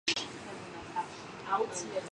ეს არის მეოთხე ბანანი.